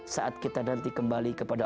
saat kita nanti kembali kepada